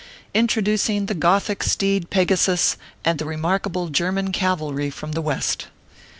INTRODUCING THE GOTHIC STEED, PEGASUS, AND THE REMARKABLE GERMAN CAVALRY FROM THE AVEST.